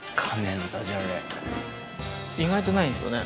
意外とないんですよね。